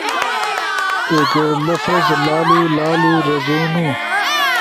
ایک لفظ لالولالو رزونو